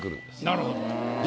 なるほど。